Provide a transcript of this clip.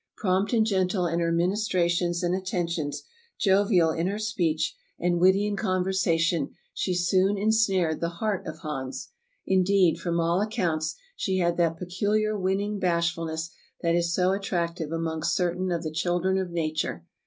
Prompt and gentle in her ministrations and attentions, jovial in her speech, and witty in conversation, she soon en snared the heart of Hans. Indeed, from all accounts, she had that peculiar winning bashfulness that is so attractive among certain of the children of nature.